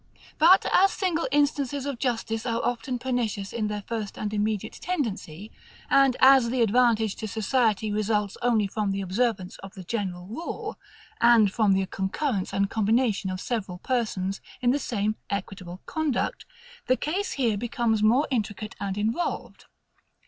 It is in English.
But as single instances of justice are often pernicious in their first and immediate tendency, and as the advantage to society results only from the observance of the general rule, and from the concurrence and combination of several persons in the same equitable conduct; the case here becomes more intricate and involved.